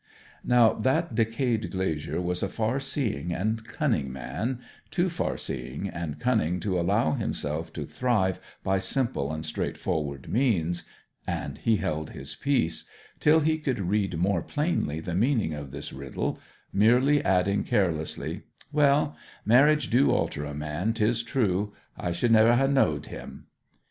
Now that decayed glazier was a far seeing and cunning man too far seeing and cunning to allow himself to thrive by simple and straightforward means and he held his peace, till he could read more plainly the meaning of this riddle, merely adding carelessly, 'Well marriage do alter a man, 'tis true. I should never ha' knowed him!'